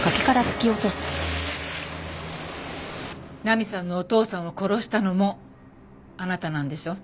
菜美さんのお父さんを殺したのもあなたなんでしょ？